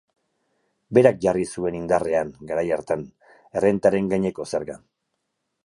Berak jarri zuen indarrean, garai hartan, errentaren gaineko zerga.